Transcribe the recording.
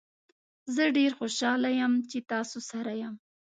زه ډیر خوشحاله یم چې تاسو سره یم.